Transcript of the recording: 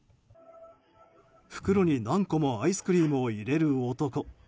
袋に何個もアイスクリームを入れる男。